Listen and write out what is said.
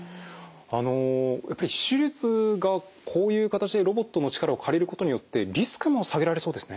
あのやっぱり手術がこういう形でロボットの力を借りることによってリスクも下げられそうですね。